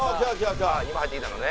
今入ってきたのね。